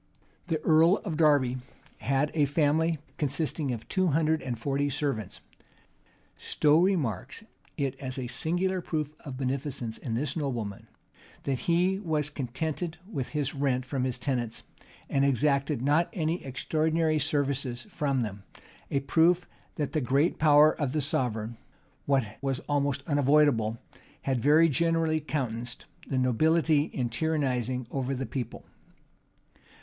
[] The earl of Derby had a family consisting of two hundred and forty servants.[] Stowe remarks it as a singular proof of beneficence in this nobleman, that he was contented with his rent from his tenants, and exacted not any extraordinary services from them; a proof that the great power of the sovereign (what was almost unavoidable) had very generally countenanced the nobility in tyrannizing over the people.